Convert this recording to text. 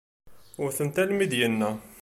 Wwten-t almi i d-yenna.